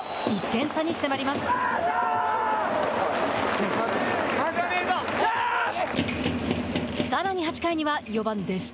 １点差に迫ります。